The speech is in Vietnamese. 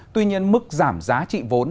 tuy nhiên mức giảm giá trị vốn